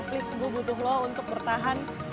please gue butuh lo untuk bertahan